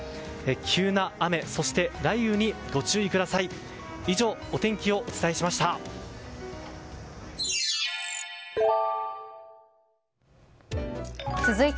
急な雨、そして雷雨にご注意ください。